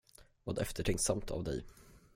Vad eftertänksamt av dig.